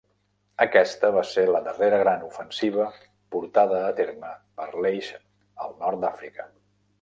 Aquesta va ser la darrera gran ofensiva portada a terme per l'Eix al nord d'Àfrica.